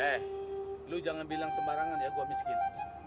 eh lu jangan bilang sembarangan ya gua miskin